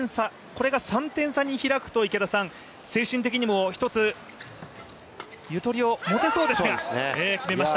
これが３点差に開くと精神的にも一つ、ゆとりを持てそうでしょうが、決めました。